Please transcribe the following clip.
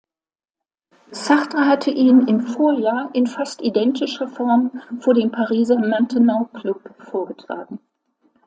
Sartre hatte ihn im Vorjahr in fast identischer Form vor dem Pariser "Maintenant-Club" vorgetragen.